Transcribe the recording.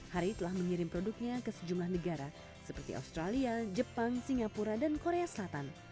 harry telah mengirim produknya ke sejumlah negara seperti australia jepang singapura dan korea selatan